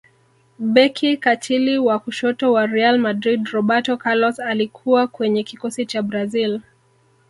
beki katili wa kushoto wa real madrid roberto carlos alikuwa kwenye kikosi cha brazil